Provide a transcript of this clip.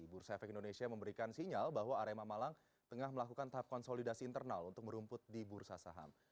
bursa efek indonesia memberikan sinyal bahwa arema malang tengah melakukan tahap konsolidasi internal untuk merumput di bursa saham